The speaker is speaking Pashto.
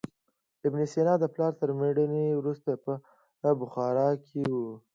ابن سینا د پلار تر مړینې وروسته په بخارا کې و.